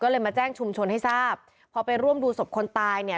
ก็เลยมาแจ้งชุมชนให้ทราบพอไปร่วมดูศพคนตายเนี่ย